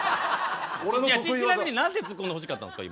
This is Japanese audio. ちなみに何てツッコんでほしかったんですか？